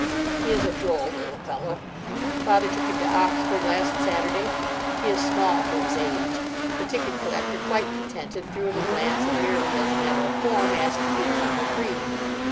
He is a droll little fellow. Father took him to Oxford last Saturday. He is small for his age. The ticket collector, quite contented, threw him a glance, and merely as a matter of form asked if he was under three.